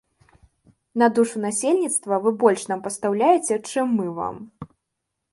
На душу насельніцтва вы больш нам пастаўляеце, чым мы вам.